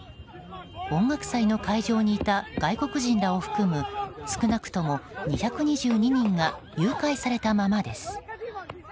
音楽祭の会場にいた外国人らを含む少なくとも２２２人が誘拐されたままです。